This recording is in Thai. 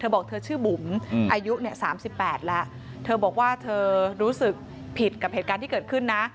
บอกเธอชื่อบุ๋มอายุเนี่ย๓๘แล้วเธอบอกว่าเธอรู้สึกผิดกับเหตุการณ์ที่เกิดขึ้นนะ